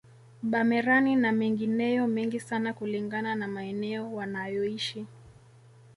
Bamerani na mengineyo mengi sana kulingana na maeneo wanayoishi